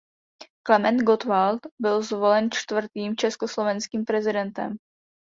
Klement Gottwald byl zvolen čtvrtým československým prezidentem.